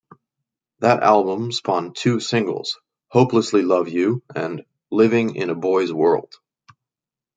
That album spawned two singles: "Hopelessly Love You" and "Living In a Boy's World".